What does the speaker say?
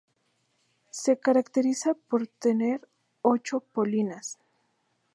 Se caracteriza por tener ocho polinias.